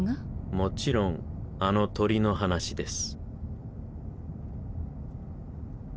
もちろんあの鳥の話です。